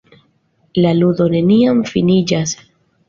La ludo neniam finiĝas.